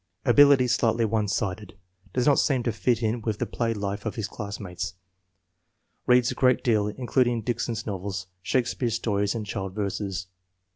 Ability slightly one sided. Does not seem to fit in with the play life of his classmates. Beads a great deal, including Dickens's novels, Shakespeare stories and child verses.